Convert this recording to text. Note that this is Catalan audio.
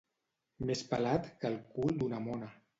Més pelat que el cul d'una mona.